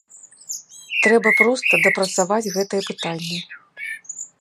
Трэба проста дапрацаваць гэтае пытанне.